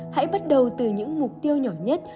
hãy bắt đầu từ những mục tiêu nhỏ nhất